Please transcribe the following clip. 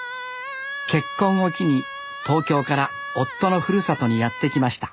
結婚を機に東京から夫のふるさとにやって来ました